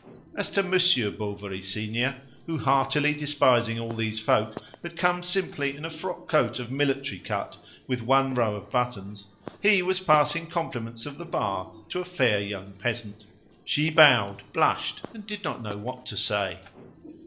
As to Monsieur Bovary senior, who, heartily despising all these folk, had come simply in a frock coat of military cut with one row of buttons he was passing compliments of the bar to a fair young peasant. She bowed, blushed, and did not know what to say.